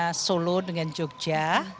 perbedaan solo dengan jogja